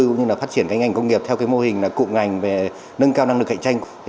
cũng như phát triển ngành công nghiệp theo mô hình cụm ngành về nâng cao năng lực cạnh tranh